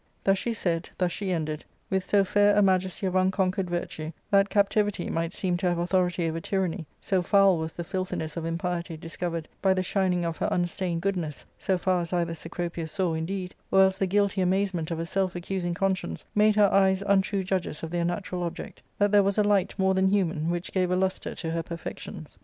286 ARCADIA,— Book TIL Thus she said, thus she ended, with so fair a majesty of unconquered virtue that captivity might seem to have au thority over tyranny, so foul was the filthiness of impiety discovered by the shining of her unstained goodness, so far as either Cecropia saw, indeed, or else the guilty amazement of a self accusing conscience made her eyes untrue judges of their natural object, that there was a light, more than human, which gave a lustre to her perfections.